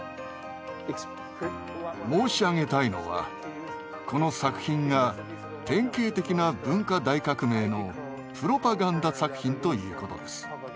申し上げたいのはこの作品が典型的な文化大革命のプロパガンダ作品ということです。